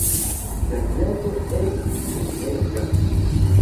La neĝo estis bonega.